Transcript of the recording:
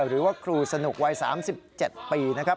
หรือว่าครูสนุกวัย๓๗ปีนะครับ